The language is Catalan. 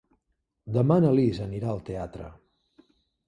Demà na Lis anirà al teatre.